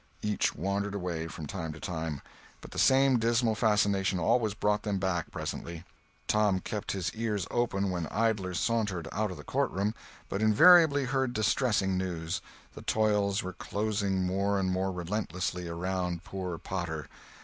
Each wandered away, from time to time, but the same dismal fascination always brought them back presently. Tom kept his ears open when idlers sauntered out of the courtroom, but invariably heard distressing news—the toils were closing more and more relentlessly around poor Potter.